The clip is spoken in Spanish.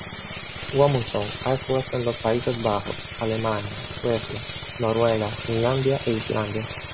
Guðmundsson ha expuesto en los Países Bajos, Alemania, Suecia, Noruega, Finlandia e Islandia.